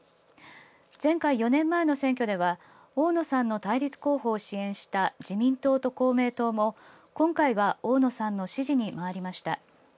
前回４年前の選挙では大野さんの対立候補を支援した自民党と公明党も今回は大野さんの支持に回りました。